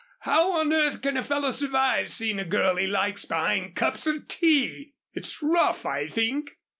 How on earth can a fellow survive seeing a girl he likes behind cups of tea! It's rough, I think.